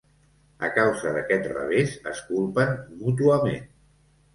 A causa d'aquest revés, es culpen mútuament.